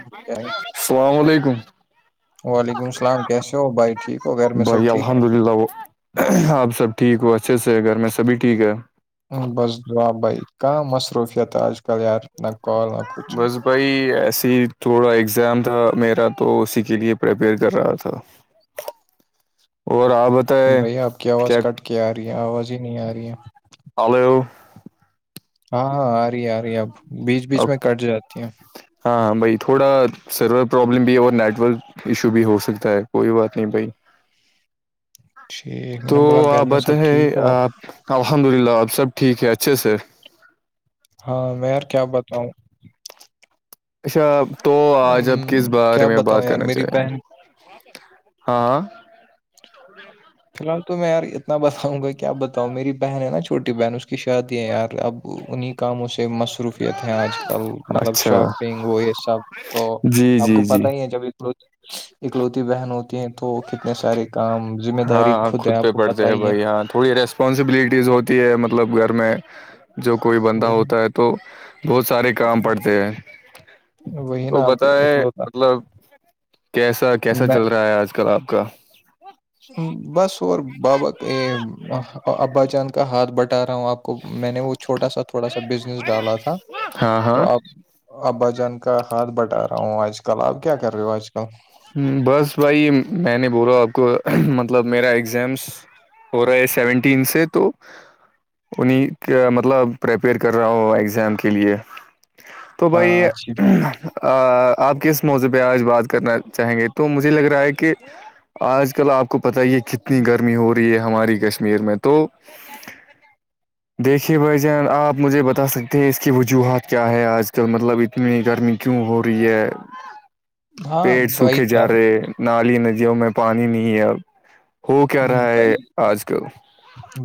کیا ہے؟ السلام علیکم وعلیکم السلام کیسے ہو بائی ٹھیک ہو گھر میں سب ال ٹھیک الحمد اللہ آپ سب ٹھیک ہو اچھے سے گھر میں سبھی ٹھیک ہے بس جواب بھائی کہاں مصروفت آج کل یار نہ کال نہ کچھ بس بھائی ایسے ہی تھوڑا اگزام تھا میرا تو اسی کے لیے پریپیئر کر رہا تھا اور آپ بتائے بھائی آپ کی آواز کیا کٹ کے آ رہی ہے آواز ہی نہیں آ رہی ہے ہلو ہاں ہاں آ رہی ہے آ رہی ہے اب بیچ بیچ میں کٹ جاتی ہیں ہاں ہاں بھائی تھوڑا سرور پرابلم بھی ہے اور نیٹورک ایشو بھی ہو سکتا ہے کوئی بات نہیں بھائی ٹھیک میں تو نے بولا گھر آپ میں سب بتیں ٹھیک ہو الحمد للہ آپ سب ٹھیک ہے اچھے سے ہاں میں یار کیا بتاؤں اچھا تو آج اب کس ام، بارے کیا میں بات بتاؤں یار کرنا میری چاہیں بہن گے ہاں جی فی الال تو میں یارت بتاؤں گا کیا بتاؤں میری بہن ہے نا چھوٹی بہن اس کی شادی ہیں یار اب انہیں کاموں سے مصروفیت ہیں آج کل مطلب اچھا شاپ پینگو یہ سب تو جی آپ کو جی جی پتا ہی ہے جب اکلوتی بہن ہوتی ہیں تو کتنے سارے کام ذمہ ہاں داری ہاں خود ہے پہ آپ کو پڑ پتہ جائے ہی ہے بھائی ہاں تھوڑی ریس اسپانسبلٹیز ہوتی ہے مطلب گھر میں جو کوئی بندہ وہی ہوتا ہے تو بہت سارے کام پڑتے ہیں وہی تو نا بت آپ ہے اکلوتا مطلب کیسا کیسا میں چل رہا ہے آج کل آپ کا بس اور بابا کے ابا جان کا ہاتھ بٹ ٹا رہا ہوں آپ کو میں نے وہ چھوٹا سا تھوڑا سا بزنس ڈالا تھا ہاں ہاں تو آپ ابا جان کا ہاتھ بٹا رہا ہوں آج کل آپ کیا کر رہے ہو آج کل بس بھائی میں نے بولاو آپ کو مطلب میرا ایگزامس ہو رہا ہے سیونٹین سے تو انہیں کے مطلب پریپیئر کر رہا ہو اگزام کے لیے تو بھائی ہاں اچھی آپ کس موضوع پہ آج بات کرنا چاہیں گے تو مجھے لگ رہا ہے کہ آج کل آپ کو پت ہی یہ کتنی گرمی ہو رہی ہے ہماری کشمیر میں تو دیکھیے بھائی جان آپ مجھے بتا سکتے ہیں اس کی وجوہات کیا ہے آج کل مطلب کتنی گرمی کیوں ہو رہی ہے ہاں پیڑ سوکھے بائیک جا رہے نی ندیوں میں پانی نہیں ہے اب ہو کیا ہوں، رہا بھائی ہے آج کل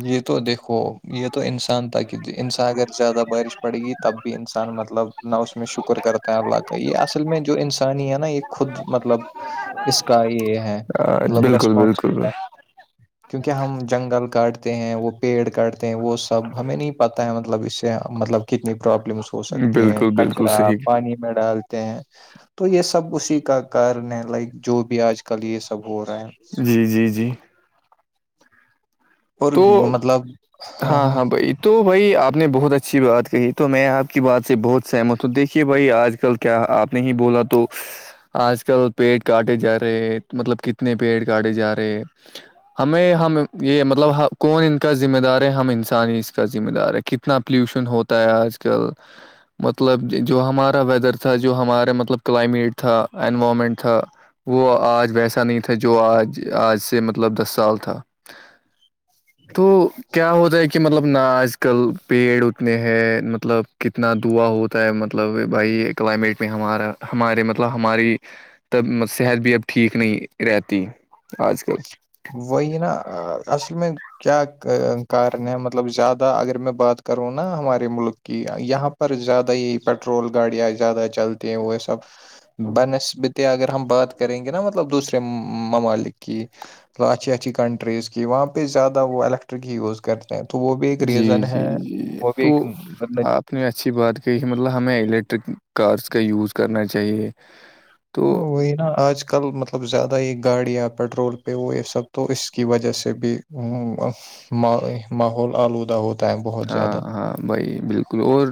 یہ تو دیکھو یہ تو انسان تھا کہ انسان اگر زیادہ بارش پڑے گی تب بھی انسان مطلب نہ اس میں شکر کرتا ہے اللہ کا یہل میں جو انسانی ہے نا یہ خود مطلب اس کا یہ ہے مطلب بالکل بالکل ریسپانسبل ہے کیونکہ ہم جنگل کاٹتے ہیں وہ پیڑ کاٹتے ہیں وہ سب ہمیں نہیں پتا ہے مطلب اس سے مطلب کتنی پروابلمس ہو سکتی ہیں بالکل بالکل کچرا صحیح پانی میں ڈالتے ہیں تو یہ سب اسی کا کارن ہے لائک جو بھی آج کل یہ سب ہو رہا ہے جی جی جی اور تو مطلب ہاں ہاں بھائی تو بھائی آپ نے بہت اچھی بات کہی تو میں آپ کی بات سے بہت سہمت ہوں دیکھیے بھائی آج کل کیا آپ نے ہی بولا تو آج کل پیڑ کاٹے جا رہے مطلب کتنے پیڑ کاٹے جا رہے ہمیں ہم یہ مطب مطلب کون ان کا ذمہ دار ہے ہم انسانی اس کا ذمہ دار ہے کتنا پلیوشن ہوتا ہے آج کل مطلب جو ہمارا ویدر تھا جو ہمارا مطلب کلائمیٹ تھا انوائمنٹ تھا وہ آج ویسا نہیں تھا جو آج آج سے مطلب دس سال تھا تو کیا ہوتا ہے کہ مطلب آج کل پیڑ اتنے ہیں مطلب کتنا دعا ہوتا ہے مطلب بھائی کلائمیٹ میں ہمارا ہمارے مطلب ہماری تب صحت بھی اب ٹھیک نہیں رہتی آج کل وہ یہ نا اصل میں کیا کارن ہے مطلب زیادہ اگر میں بات کروں نا ہمارے ملک کہ یہاں پر زیادہ ہی پٹرول گاڑیاں زیادہ چلتی ہیں وہ سب بہ نسبت اگر ہم بات کریں گے نا مطلب دوسرے ممالک کی اچھیچھی کنٹریز کی وہاں پہ زیادہ وہ الییکٹرک ہی یوز کرتے تو وہ بھی ایک جی ریزن جی ہے جی وہ بھی تو ایک آپ نے اچھی بات کہی کہ مطلب ہمیں الیکٹرک کارس کا یوز کرنا چاہیے تو وہی نا آج کل مطلب زیادہ ہی گاڑیاں پٹرول پہ وہ یہ سب تو اس کی وجہ سے بھی ماحول آلودہ ہوتا ہے بہت ہاں زیادہ ہاں بھائی بالکل اور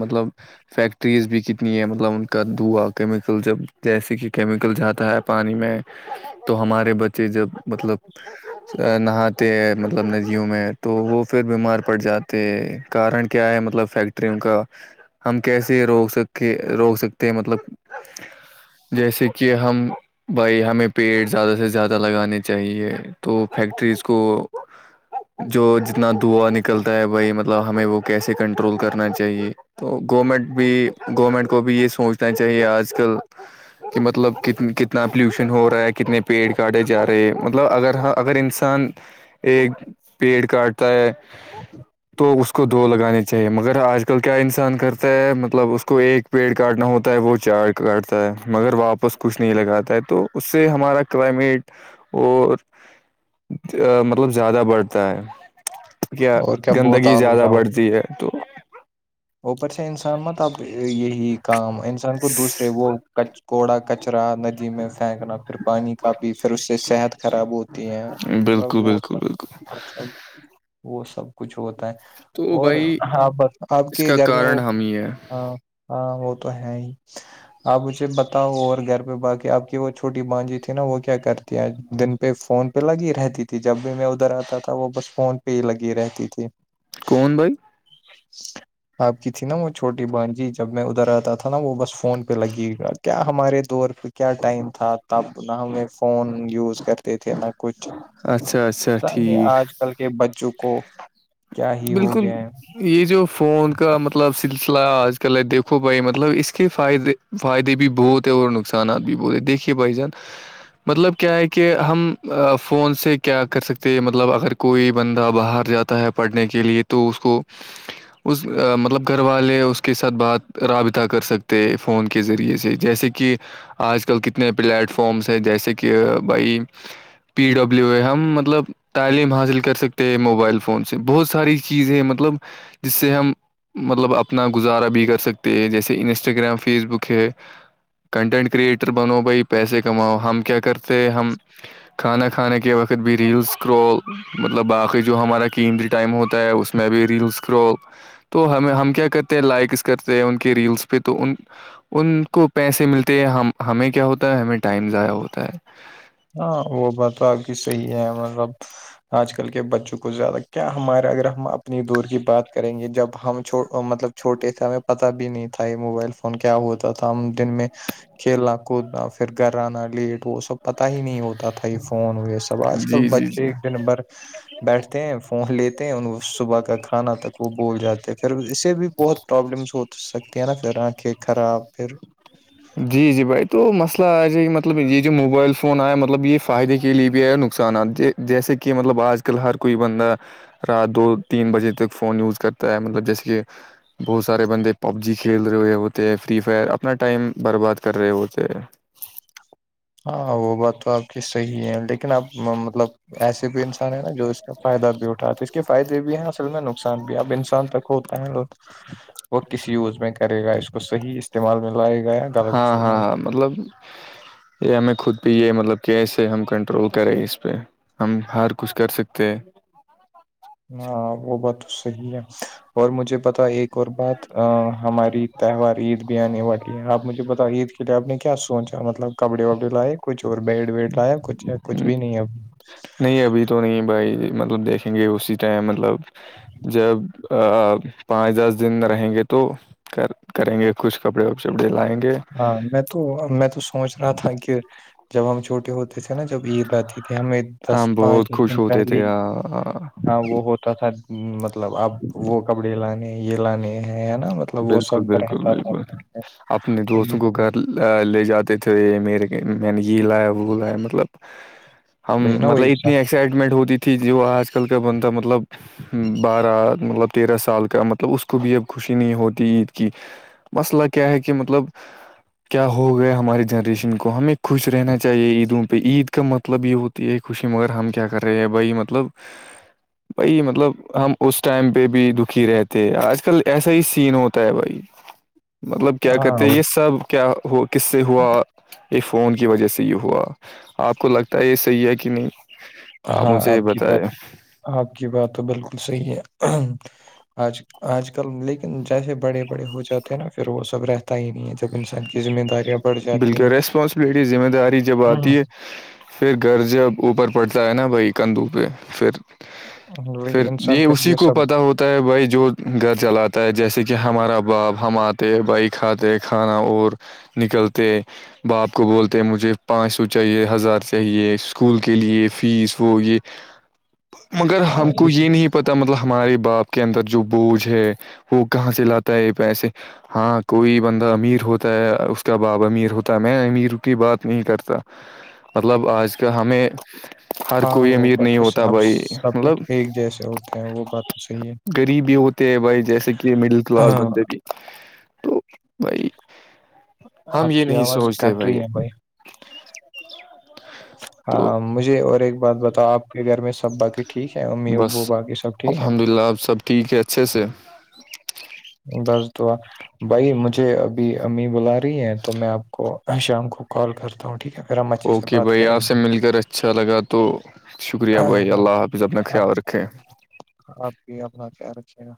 مطلب فیکٹریز بھی کتنی ہیں مطلب ان کا دھوا کیمیکل جب جیسے کہ کیمیکل جاتا ہے پانی میں تو ہمارے بچے جب مطلب نہاتے ہیں مطلب ندیوں میں تو وہ پھر بیمار پڑ جاتے کارن کیا ہے مطلب فیکٹریوں کا ہم کیسے روک سکے روک سکتے ہیں مطلب جیسے کہ ہم بھائی ہمیں پیڑ زیادہ سے زیادہ لگانے چاہیے تو فیکٹریز کو جو جتنا دوا نکلتا ہے بھائی مطلب ہمیں وہ کیسے کنٹرول کرنا چاہیے تو گورمنٹ بھی گورنمنٹ کو بھی یہ سوچنا چاہیے آج کل کہ مطلب کتنا پولوشن ہو رہا ہے کتنے پیڑ کاھے جا رہے ہیں مطلب اگر ہاں اگر انسان انسان ایک پیڑ کاٹتا ہے تو اس کو دو لگانے چاہیے مگر آج کل کیا انسان کرتا ہے مطلب اس کو ایک پیڑ کاٹنا ہوتا ہے وہ چار کاٹتا ہے مگر واپس کچھ نہیں لگاتا ہے تو اس سے ہمارا کلائمیٹ اور مطلب زیادہ بڑھتا ہے کیا اور بہت گندگی آلودہ زیادہ ہو بڑھتی ہے تو اوپر سے انسان مطلب یہی کام کو دوسرے وہ کوڑا کچرا ندی میں پھینکنا پھر پانی کاپی پھر اس سے صحت خراب ہوتی ہیں بالکل بالکل بالکل اچھا وہ سب کچھ ہوتا ہے تو اور بھائی ہاں آپ اس کے کا گھر میں کارن وہ ہم ہی ہے ہاں ہاں وہ تو ہے ہی آپ اسے بتاؤ اور گھر پہ باقی آپ کی وہ چھوٹی بانجی تھی نا وہ کیا کرتے دن پہ فون پہ لگی رہتی تھی جب بھی میں ادھر آتا تھا وہ بس فون پی لگی رہتی تھی کون بھائی [inaudible] آپ کی تھی نا وہ چھوٹی بان جی جب میں ادھر آتا تھا نا وہ بس فون پہ لگی گا کیا ہمارے دور پہ کیا ٹائم تھا تب نہ ہمیں فون یوز کر تھے نہ کچھ اچھا اچھا ٹھیک آج کل کے بچوں کو کیا ہی ہو بالکل گئے ہیں یہ جو فون کا مطلب سلسلہ آج کل ہے دیکھو بھائی مطلب اس کے فائدے فائدے بھی بہت ہے اور نقصانات بھی بہت ہیں دیکھیے بھائی جان مطلب کیا ہے کہ ہم فون سے کیا کر سکتے ہیں مطلب اگر کوئی بندہ باہر جاتا ہے پڑھنے کے لیے تو اس کو اس مطلب گھر والے اس کے ساتھ بات رابطہ کر سکتے فون کے ذریعے سے جیسے کہ آج کل کتنے پلیٹ فارمس ہیں جیسے کہ بھائی پی ڈبلیو اے ہم مطلب تعلیم حاصل کر سکتے ہیں موبائل فون بہت ساری چیز ہے مطلب جس سے ہم مطلب اپنا گزارا بھی کر سکتے ہیں جیسے انسٹاگرام فیس بک ہے کنٹینٹ کریئٹر بنو بھائی پیسے کماؤ ہم کیا کرتے ہم کھانا کھانے کے وقت بھی ریلس کرول مطلب باقی جو ہمارا ٹائم ہوتا ہے اس میں بھی ریلس کرو تو ہم ہم کیا کرتے ہیں لائک کرتے ہیں ان کے ریلس پہ تو ان ان کو پیسے ملتے ہیں ہم ہمیں کیا ہوتا ہے ہمیں ٹائم ضائع ہوتا ہے ہاں وہ بات تو آپ کی صحیح ہے مطلب آج کل کے بچوں کو زیادہ کیا ہمارے اگر ہم اپنی دور کی بات کریں گے جب ہم چھ مطلب چھٹے سے ہمیں پتا بھی نہیں تھا یہ موبائل فون کیا ہوتا تھا ہم دن میں کل ہ کود فھر گھران لیٹ وہ سب پتا ہی نہیں ہوتا تھا یہ فون یہ سب ہے آج کل جی جی جی بچے دن بھر بیٹھتے ہیں فون لیتے ہیں ان صبح کا کھانا تک وہ بول جاتے ہیں پھر اس سے بھی بہت پرابلمس ہو سکتی ہیں نا پھر آنکھیں خراب پھر [unintelligible] جی جی بھائی تو مسئلہ آ جائے کہ مطلب یہ جو موبائل فون آیا ہے مطلب یہ فائدے کے لیے بھی آیا نقصانات یہ جیسے کہ مطلب آج کل ہر کوئی بندہ رات دو تین بجے تک فون یوز کرتا ہے مطلب جیسے کہ بہت سارے بندے پب جی کھیل رہے ہوتے ہیں فری فائر اپنا ٹائم برباد کر رہے ہوتے ہیں ہاں وہ بات تو آپ کی صحیح ہے لیکن آپ مطلب ایسسی بھی انسان ہے نا جو اس سے فائدہ بھی اٹھاتا کے فائدے بھی ہیں اصل میں نقصان بھی اب انسان تک ہوتا ہے لوگ وہ کس یوز میں کرے گا اس کو صحیح استعمال میں لائے گا یا غلت ہاں استعمال ہاں میں مطلب یہ ہمیں خود بھی یہ مطلب کیسے ہم کنٹرول کریں اس پہ ہم ہر کچھ کر سکتے ہیں ہاں وہ بات تو صحیح ہے اور مجھے پتا ایک اور بات ا ہماری تہوار عید بھی آنے والی ہے آپ مجھے بتاؤ عید کے لیے آپ نے کیا سوچا مطلب کپڑے وپڑے لائے کچھ اور بیڈ ویڈ لایا کچھ کچھ ہیں۔ بھی نہیں اب نہیں ابھی تو نہیں بھائی مطلب دیکھیں گے اسی ٹائم مطلب جب پانچ دس دن رہیں گے تو کر کریں گے کچھ کپڑے وپڑےپے لائن ہاں میں تو میں تو سوچ رہا تھا کہ جب ہم چھوٹے ہوتے جیسے نا جب عید رہتی تھی ہمیں دس ہم پانچ بہت دس خوش دن ہوتے پہلے تھے آ، آ، ہاں وہ ہوتا توا مطلب اب وہ کپڑے لانے یہ لانے ہیں ہے نا مطلب وہ بالکل سب بالکل رہتا تھا بالکل پہے اپنے دوستوں کو گھر لے جاتے تھے میرے میں نے یہ لایا وہ لایا مطلب ہم وہی نا مطلب وہی اتنی سب ایکسائٹمنٹ ہوتی تھی جو آج کل کا بندتا مطلب بارہ مطلب تیرہ سال کا مطلب اس کو بھی اب خوش نہیں ہوتی عید کی مسئلہ کیا ہے کہ مطلب کیا ہو گیا ہمارے جنریشن کو ہمیں خوش رہنا چاہیے عیدوں پہ عید کا مطلب یہ ہو تو یہی خوشی مگر ہم کیا کر رہے ہیں بھائی مطلب بائی مطلب ہم اس ٹائم پہ بھی دکھی رہتے آج کل ایسا ہی سین ہوتا ہے بھائی مطلب کیا ہاں کرتے ہیں وہ یہ سب کیا ہو کس سے ہوا یہ فون کی وجہ سے یہ ہوا آپ کو لگتا ہے یہ صحیح ہے کہ نہیں آپ ہاں مجھے یہ کی بتائے بات آپ کی بات تو بالکل صحیح ہے آج آج کل لیکن جیسے بڑے بڑے ہو جاتے ہیں نا پھر وہ سب رہتا ہی نہیں ہے جب انسان زمہ دارییا بالکل ریسپانسبلٹی ذمہ داری جب آتی ہے پھر گھر جب اوپر پڑتا ہے نا بھائی کندو پہ پھر پھر وہی انسان یہ پھر اسی کو پتا سب ہوتا ہوتا ہے بھائی جو گھر چلاتا ہے جیسے کہ ہمارا باپ ہم آتے ہیں بھائی کھاتے ہیں کھانا اور نکلتے باپ کو بولتے مجھے پانچ سو چاہیے ہزار چاہیے اسکول کے لیے فیس وہ یہ مگر ہم کو یہ نہیں پتا مطلب ہمارے باپ کے اندر جو بوجھ ہے وہ کہاں سے لاتا ہے پیسے ہاں کوئی بندہ امیر ہوتا ہے اس کے باب امیر ہوتا میں امیر کی بات نہیں کرتا مطلب آج کا ہمیں ہر ہاں کوئی وہ امیر بات نہیں تو ہوتا اب بھائی سب مطلب ایک جیسے ہوتے ہیں وہ بات تو صحیح ہے غریبی ہوتے ہیں بھائی جیسے کہ مڈل کلاس ہاں، بندے بھی تو بھائی ہم آپ یہ کی نہیں آواز سوچتے کٹ بھائی رہی ہے تو ہاں مجھے اور ایک بات بتاؤ آپ کے گھر میں سب باقی ٹھیک ہے امی ابو باقی سب ٹھیک ہے گلاب سب ٹھیک ہے اچھے سے بس دعا بھائی مجھے ابھی امی بلا رہی ہیں تو میں آپ کو میں شام کو کال کرتا ہوں ٹھیک ہے پھر ہم اچھے سے اوکے بات بھائی کریں آپ سے گے مل کر اچھا لگا تو شکریہ بھائی اللہ حافظ اپ نے خیال رکھے آپ بھی اپنا خیال رکھے گا